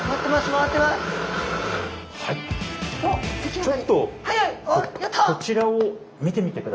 ちょっとこちらを見てみてください。